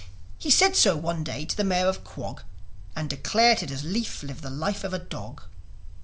He said so one day to the Mayor of Quog, And declared he'd as lief live the life of a dog.